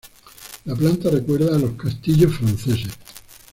La planta recuerda a los castillos franceses.